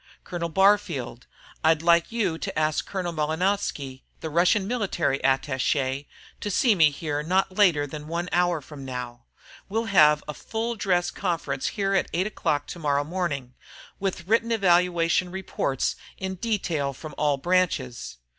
Colonel Barfield, I'd like you to ask Colonel Malinowski, the Russian military attaché to see me here not later than an hour from now. We'll have a full dress conference here at 8 o'clock tomorrow morning, with written evaluation reports in detail from all branches.